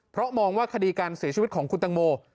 เพราะมองว่าคดีการเสียชีวิตของคุณตังโม